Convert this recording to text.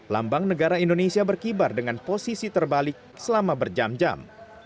lambang negara indonesia berkibar dengan posisi terbalik selama berjam jam